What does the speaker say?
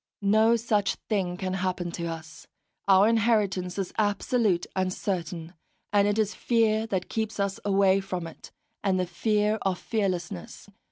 No such thing can happen to us; our inheritance is absolute and certain, and it is fear that keeps us away from it, and the fear of fearlessness.